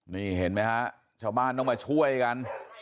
นี่เห็นไหมฮะชาวบ้านต้องมาช่วยกัน